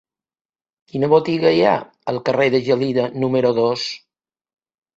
Quina botiga hi ha al carrer de Gelida número dos?